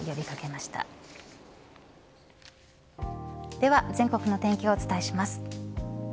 では全国の天気をお伝えします。